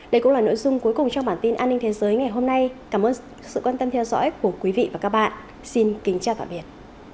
đây cũng là nội dung cuối cùng trong bản tin an ninh thế giới ngày hôm nay cảm ơn sự quan tâm theo dõi của quý vị và các bạn xin kính chào tạm biệt